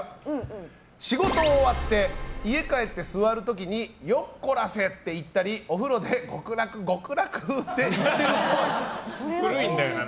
仕事終わって家帰って座る時によっこらせって言ったりお風呂で極楽極楽って古いんだよな。